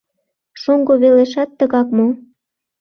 Шоҥго велешат тыгак мо?